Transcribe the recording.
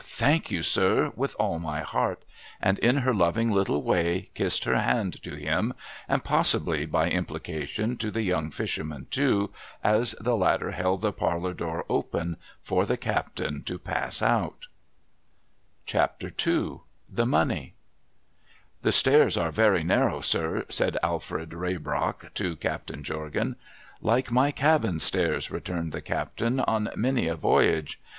Thank you, sir, with all my heart !' And, in her loving little way, kissed her hand to him, and possihly by implication to the young fisherman, too, as the latter held the parlour door open for the captain to pass out. A MESSAGE FROM THE SEA CHAPTER H THE MONEY 'The slairs arc very narrow, sir,' said Alfred Rayl)rock to Cai taiii Jordan. ' Like my ral)iii stairs,' returned the captain, ' on many a voyage.'